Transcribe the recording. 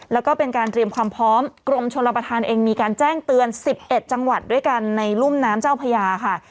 แล้วก็เป็นการเตรียมความพร้อมกรมชลประธานเองมีการแจ้งเตือน๑๑จังหวัดด้วยกันในรุ่มน้ำเจ้าพญาค่ะ